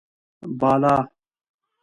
بالا: